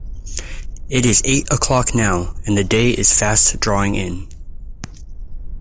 It is eight o'clock now, and the day is fast drawing in.